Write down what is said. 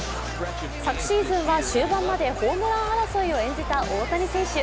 昨シーズンは、終盤までホームラン争いを演じた大谷選手。